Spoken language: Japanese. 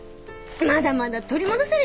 まだまだ取り戻せるよ。